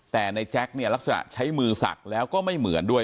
แต่ในแจ็คเนี่ยลักษณะใช้มือศักดิ์แล้วก็ไม่เหมือนด้วย